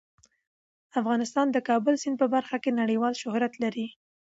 افغانستان د کابل سیند په برخه کې نړیوال شهرت لري.